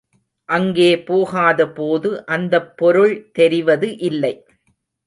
அங்கே போகாதபோது அந்தப் பொருள் தெரிவது இல்லை.